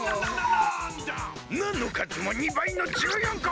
ナのかずも２ばいの１４こ。